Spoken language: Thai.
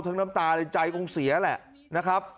น้ำตาในใจคงเสียแหละนะครับ